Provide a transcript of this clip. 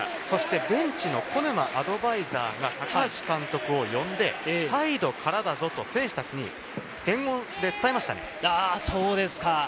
そしてベンチの古沼アドバイザーが高橋監督を呼んで、サイドからだぞと選手たちに伝言で伝えましたね。